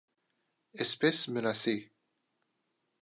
Espèce menacée.